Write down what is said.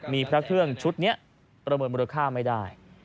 มีพระเครื่องชุดนี้ประเมินมูลค่าไม่ได้